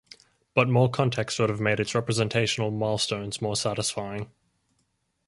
But more context would have made its representational milestones more satisfying.